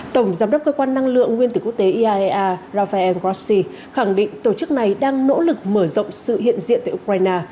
tổng giám đốc cơ quan năng lượng nguyên tử quốc tế iaea rafael grossi khẳng định tổ chức này đang nỗ lực mở rộng sự hiện diện tại ukraine